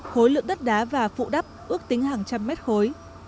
khối lượng đất đá và phụ đắp ước tính hàng trăm mét khối